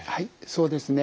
そうですね。